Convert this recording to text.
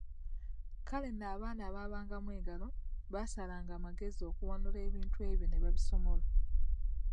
"Kale nno abaana abaabangamu engalo, baasalanga amagezi okuwanulayo ebintu ebyo ne babisomola."